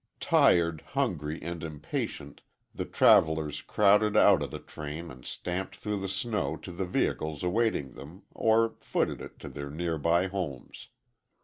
Tired, hungry and impatient, the travelers crowded out of the train and stamped through the snow to the vehicles awaiting them, or footed it to their nearby homes.